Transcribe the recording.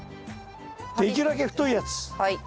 できるだけ太いやつ。